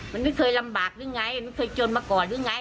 มันไม่เคยลำบากหรือไงมันเคยจนมาก่อนหรือไง